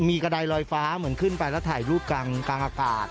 มีกระดายลอยฟ้าเหมือนขึ้นไปแล้วถ่ายรูปกลางอากาศ